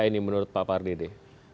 ini menurut pak pardide